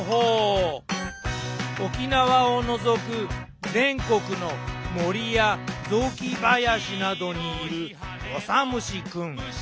沖縄を除く全国の森や雑木林などにいるオサムシくん。